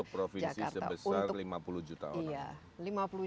satu provinsi sebesar lima puluh juta orang